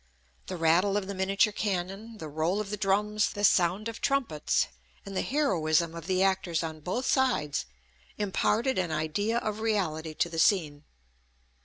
The rattle of the miniature cannon, the roll of the drums, the sound of trumpets, and the heroism of the actors on both sides, imparted an idea of reality to the scene.